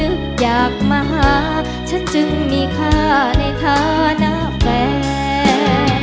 อยากมาหาฉันจึงมีค่าในฐานะแฟน